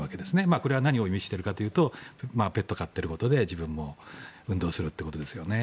これは何を意味しているかというとペットを飼っていることで自分も運動するということですよね。